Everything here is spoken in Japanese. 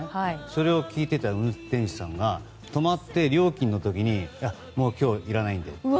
それを聴いていた運転手さんが止まって料金の時にもう、今日はいらないんでと。